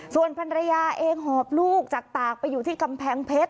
ส่วนภรรยาเองหอบลูกจากตากไปอยู่ที่กำแพงเพชร